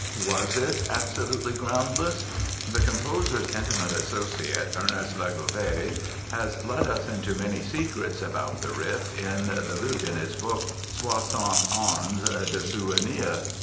Was it "absolutely groundless"? The composer's intimate associate, Ernest Legouvé, has let us into many secrets about the rift in the lute in his book "Soixante Ans de Souvenirs".